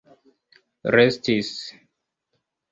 restis